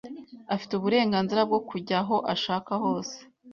afite uburenganzira bwo kujya aho ashaka hos